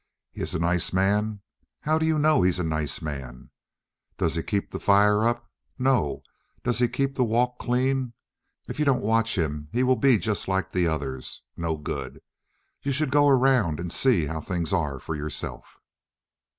He is a nice man! How do you know he is a nice man? Does he keep the fire up? No! Does he keep the walks clean? If you don't watch him he will be just like the others, no good. You should go around and see how things are for yourself."